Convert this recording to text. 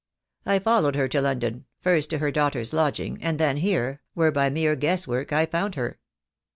I followed her to London — first to her daughter's lodging — and then here — where by mere guesswork, I found her."